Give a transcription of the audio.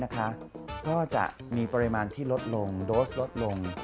ก็จะมีปริมาณที่ลดลงโดสลดลง